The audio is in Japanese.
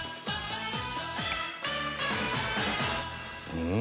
うん？